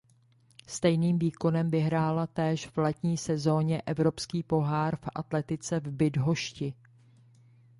Stejným výkonem vyhrála též v letní sezóně evropský pohár v atletice v Bydhošti.